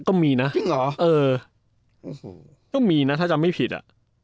ก็มีนะจริงเหรอเออก็มีนะถ้าจำไม่ผิดอ่ะ